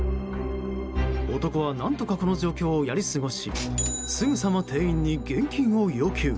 男は何とかこの状況をやり過ごしすぐさま店員に現金を要求。